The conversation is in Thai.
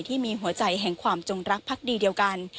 ที่มีหัวใจแห่งความจงรักพักดีเดียวกัน